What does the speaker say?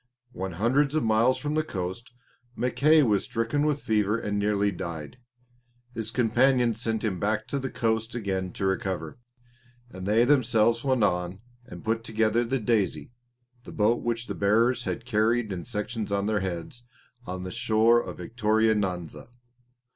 When hundreds of miles from the coast, Mackay was stricken with fever and nearly died. His companions sent him back to the coast again to recover, and they themselves went on and put together the Daisy, the boat which the bearers had carried in sections on their heads, on the shore of Victoria Nyanza.